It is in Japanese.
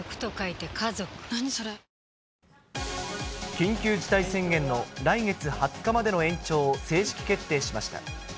緊急事態宣言の来月２０日までの延長を正式決定しました。